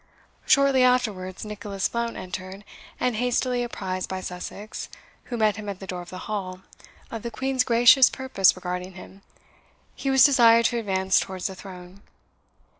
Shortly afterwards Nicholas Blount entered, and hastily apprised by Sussex, who met him at the door of the hall, of the Queen's gracious purpose regarding him, he was desired to advance towards the throne.